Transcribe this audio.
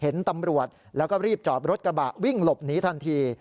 เห็นตำรวจแล้วก็รีบจอบรถกระบะวิ่งหลบหนีทันที